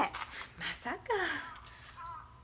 まさか。